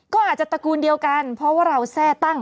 ก็อาจจะตระกูลเดียวกันเพราะว่าเราแทร่ตั้ง